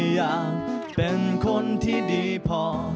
อยากเป็นคนที่ดีพอ